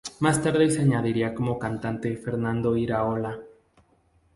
Más tarde se añadiría como cantante Fernando Iraola.